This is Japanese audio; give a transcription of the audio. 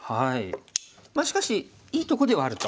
しかしいいとこではあると。